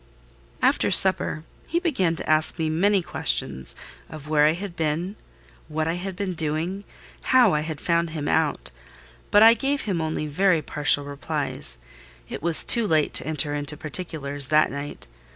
After supper, he began to ask me many questions, of where I had been, what I had been doing, how I had found him out; but I gave him only very partial replies: it was too late to enter into particulars that night.